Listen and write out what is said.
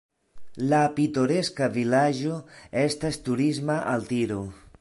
La pitoreska vilaĝo estas turisma altiro.